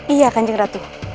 iya kanjeng ratu